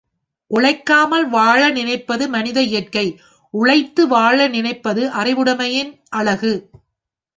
உழைக்காமல் வாழ நினைப்பது மனித இயற்கை உழைத்து வாழ நினைப்பது அறிவுடமை யின் அழகு.